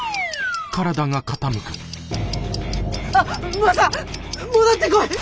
あっマサ戻ってこい！